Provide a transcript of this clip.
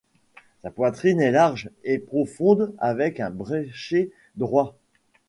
Sa poitrine est large et profonde avec un bréchet droit.